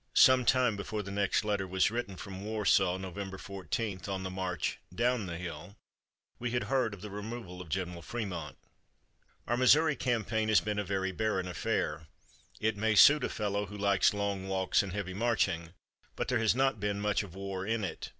'" Sometime before the next letter was written from Warsaw, November 14, on the march "down the hill," we had heard of the removal of General Frémont: "Our Missouri campaign has been a very barren affair. It may suit a fellow who likes long walks and heavy marching, but there has not been much of war in it.